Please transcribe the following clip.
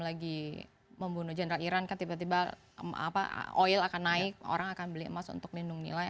lagi membunuh general iran kan tiba tiba oil akan naik orang akan beli emas untuk lindung nilai